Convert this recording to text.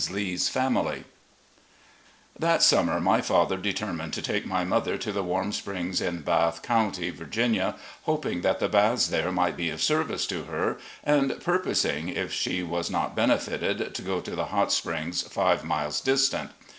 lee's FAMILY That summer my father determined to take my mother to the Warm Springs, in Bath County, Virginia, hoping that the baths there might be of service to her, and purposing, if she was not benefited, to go to the Hot Springs, five miles distant.